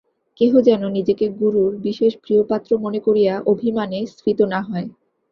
কেহ যেন নিজেকে গুরুর বিশেষ প্রিয়পাত্র মনে করিয়া অভিমানে স্ফীত না হন।